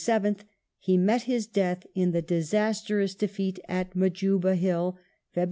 7th) he met his death in the disastrous defeat at Majuba Hill (Feb.